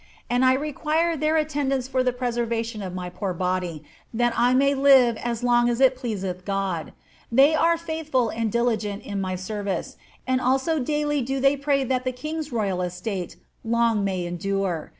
And I require their attendance for the preserva tion of my poor bodie, that I may live as long as it pleaseth God. They arc faithful and diligent in my service, and also daily do they prmy that the king^s royal estate long may endure.